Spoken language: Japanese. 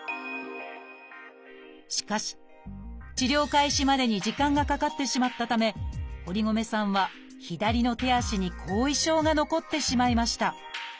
しかし治療開始までに時間がかかってしまったため堀米さんは左の手足に後遺症が残ってしまいました。